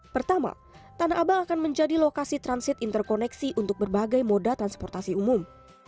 pertama tanah abang akan menjadi lokasi transit interkoneksi untuk berbagai moda transportasi umum